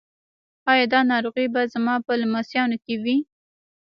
ایا دا ناروغي به زما په لمسیانو کې وي؟